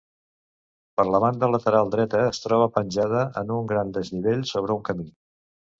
Per la banda lateral dreta es troba penjada en un gran desnivell sobre un camí.